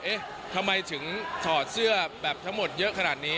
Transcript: เอ๊ะทำไมถึงถอดเสื้อแบบทั้งหมดเยอะขนาดนี้